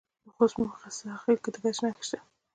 د خوست په موسی خیل کې د ګچ نښې شته.